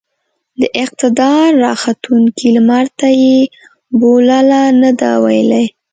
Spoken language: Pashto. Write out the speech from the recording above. د اقتدار راختونکي لمرته يې بولـله نه ده ويلې.